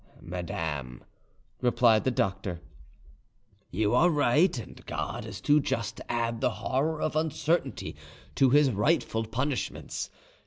"Madame," replied the doctor, "you are right, and God is too just to add the horror of uncertainty to His rightful punishments.